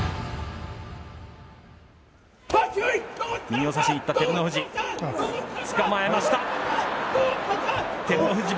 右を差しにいった照ノ富士。